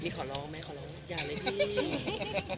นี่ขอร้องไหมขอร้องอย่าเลยพี่